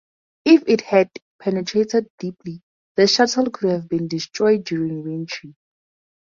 If it had penetrated deeply the Shuttle could have been destroyed during reentry.